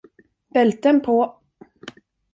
Bälten på.